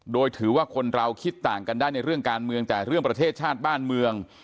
โดยถือว่าคนเราคิดต่างกันได้ในเรื่องการเมืองแต่เรื่องประเทศชาติบ้านเมือง